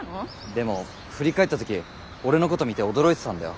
でも振り返った時俺のこと見て驚いてたんだよ。